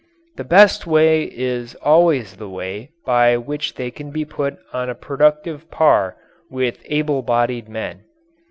The best way is always the way by which they can be put on a productive par with able bodied men.